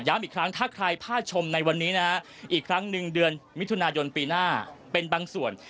อีกครั้งถ้าใครพลาดชมในวันนี้นะฮะอีกครั้งหนึ่งเดือนมิถุนายนปีหน้าเป็นบางส่วน